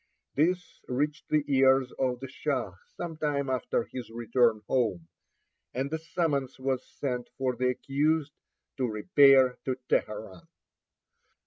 This reached the ears of the Shah some time after his return home; and a summons was sent for the accused to repair to Teheran.